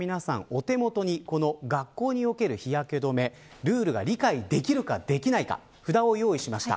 お手元に学校における日焼け止めのルールが理解できるかできないかの札を用意しました。